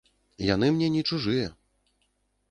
Яны мне не чужыя.